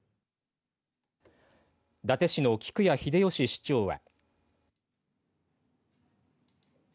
伊達市の菊谷秀吉市長は。